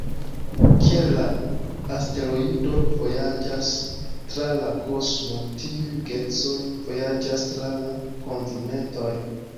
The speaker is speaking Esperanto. Kiel la asteroido vojaĝas tra la kosmo, tiuj geedzoj vojaĝas tra la kontinentoj.